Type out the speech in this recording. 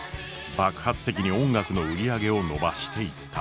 爆発的に音楽の売り上げを伸ばしていった。